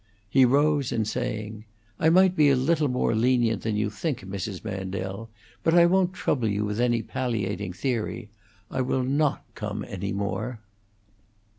He rose in saying: "I might be a little more lenient than you think, Mrs. Mandel; but I won't trouble you with any palliating theory. I will not come any more."